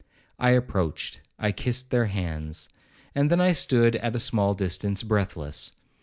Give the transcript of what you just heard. I approached, I kissed their hands, and then stood at a small distance breathless.